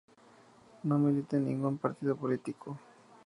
No milita en ningún partido político.